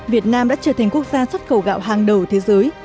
việt nam đã trở thành quốc gia xuất khẩu gạo hàng đầu thế giới